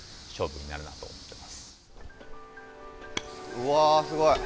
うわーすごい！